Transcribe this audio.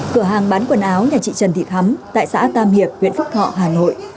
cửa hàng bán quần áo nhà chị trần thị thắm tại xã tam hiệp huyện phúc thọ hà nội